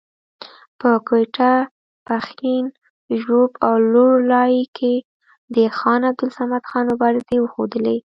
په کوټه، پښین، ژوب او لور لایي کې د خان عبدالصمد خان مبارزې وښودلې.